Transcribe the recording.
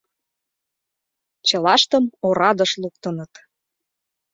Чылаштым орадыш луктыныт.